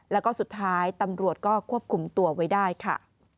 แล้วก็สุดท้ายตำรวจก็ควบคุมตัวไว้ได้ค่ะ